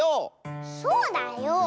そうだよ。